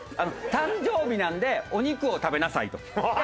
「誕生日なんでお肉を食べなさい」と。